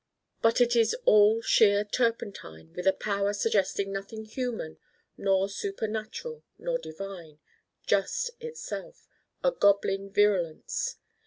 But it is all sheer Turpentine with a power suggesting nothing human nor super natural nor divine. Just itself: a goblin virulence.